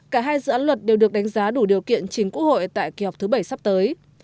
cả hai dự án luật đều được đánh giá đủ điều kiện chính quốc hội tại kỳ họp thứ bảy sắp tới